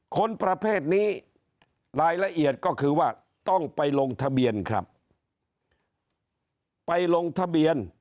คนประเภทนี้รายละเอียดก็คือว่าต้องไปลงทะเบียนครับไปลงทะเบียน